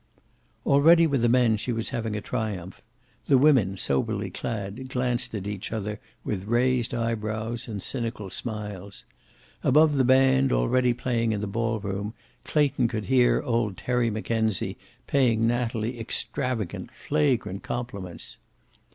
Already with the men she was having a triumph. The women, soberly clad, glanced at each other with raised eye brows and cynical smiles. Above the band, already playing in the ballroom, Clayton could hear old Terry Mackenzie paying Natalie extravagant, flagrant compliments.